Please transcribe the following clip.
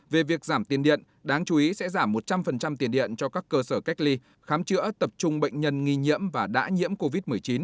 về việc giảm tiền điện đáng chú ý sẽ giảm một trăm linh tiền điện cho các cơ sở cách ly khám chữa tập trung bệnh nhân nghi nhiễm và đã nhiễm covid một mươi chín